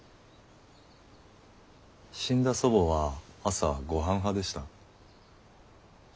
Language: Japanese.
死んだ祖母は朝ごはん派でした。